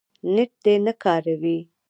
نېټ دې نه کاروي